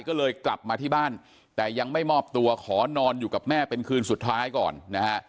ก็เลยกลับมาที่บ้านแต่ยังไม่มอบตัวขอนอนอยู่กับแม่เป็นคืนสุดท้ายก่อนนะฮะ